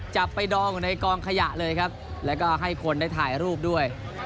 จับไปดองอยู่ในกองขยะเลยครับแล้วก็ให้คนได้ถ่ายรูปด้วย